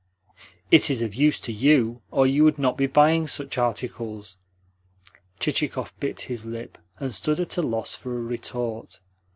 "It is of use to YOU, or you would not be buying such articles." Chichikov bit his lip, and stood at a loss for a retort.